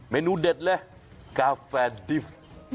เมนูเด็ดเลยกาแฟดิฟต์